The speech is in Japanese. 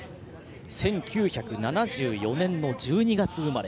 １９７４年の１２月生まれ。